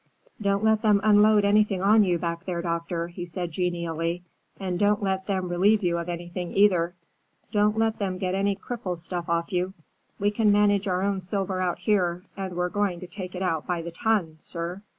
"Don't let them unload anything on you back there, doctor," he said genially, "and don't let them relieve you of anything, either. Don't let them get any Cripple stuff off you. We can manage our own silver out here, and we're going to take it out by the ton, sir!"